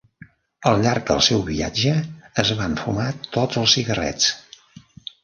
Al llarg del seu viatge, es van fumar tots els cigarrets.